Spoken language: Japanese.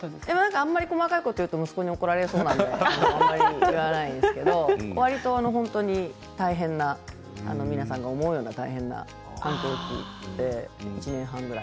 あんまり細かいこと言うと息子に怒られそうなので言わないですけどわりと本当に大変な皆さんが思うような大変な反抗期で１年半ぐらい。